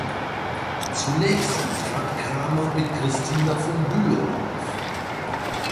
Zunächst trat Kramer mit Christina von Bülow auf.